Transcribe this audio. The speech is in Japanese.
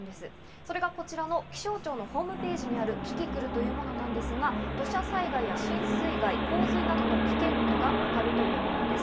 それがこちらの気象庁のホームページにあるキキクルというものなんですが、土砂災害や浸水害、洪水などの危険度がわかるというものです。